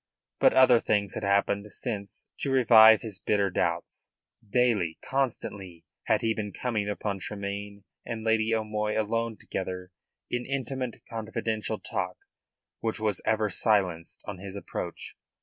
But other things had happened since to revive his bitter doubts. Daily, constantly, had he been coming upon Tremayne and Lady O'Moy alone together in intimate, confidential talk which was ever silenced on his approach.